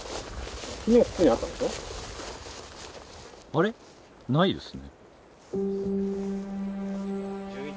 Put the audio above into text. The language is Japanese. あれ、ないですね。